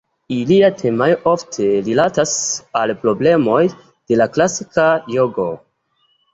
Ilia temaro ofte rilatas al problemoj de la klasika jogo.